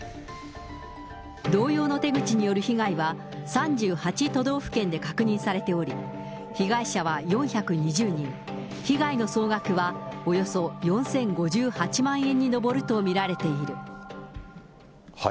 同様の手口による被害は３８都道府県で確認されており、被害者は４２０人、被害の総額はおよそ４０５８万円に上ると見られている。